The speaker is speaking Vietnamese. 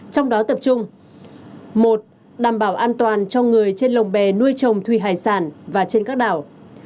trong đó tập trung một đảm bảo an toàn cho người trên lồng bè nuôi trồng thủy hải sản và trên các đảo